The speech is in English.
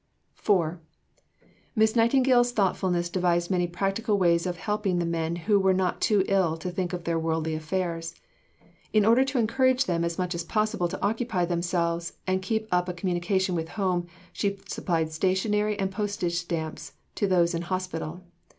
IV Miss Nightingale's thoughtfulness devised many practical ways of helping the men who were not too ill to think of their worldly affairs. In order to encourage them as much as possible to occupy themselves and to keep up a communication with home, she supplied stationery and postage stamps to those in hospital.